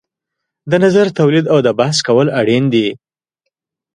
د نظر تولید او بحث کول اړین دي.